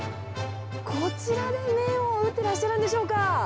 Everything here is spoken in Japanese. こちらで麺を打ってらっしゃるんでしょうか？